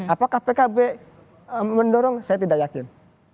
apakah pkb mendorong saya tidak yakin